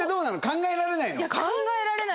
考えられないです。